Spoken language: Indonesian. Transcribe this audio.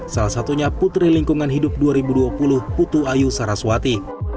salah satunya putri lingkungan hidup dua ribu dua puluh putu ayu saraswati